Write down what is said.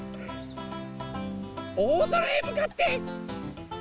おおぞらへむかってゴー！